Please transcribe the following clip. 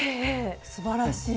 すばらしい。